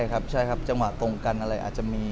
ใช่ครับจังหวะตรงกันอะไรอาจจะมี